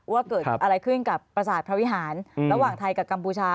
ว่าเกิดอะไรขึ้นกับประสาทพระวิหารระหว่างไทยกับกัมพูชา